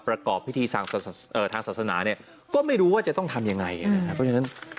ประกอบพิธีทางศาสนาเนี่ยก็ไม่รู้ว่าจะต้องทำยังไงนะครับเพราะฉะนั้น